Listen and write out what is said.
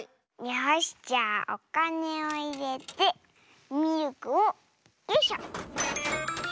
よしじゃあおかねをいれてミルクをよいしょ！